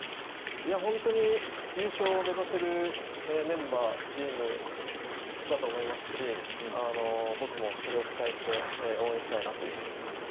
本当に優勝を目指せるメンバー、チームだと思いますし僕もそれを期待して応援したいなというふうに思っています。